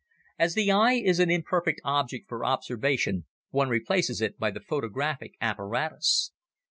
As the eye is an imperfect object for observation one replaces it by the photographic apparatus.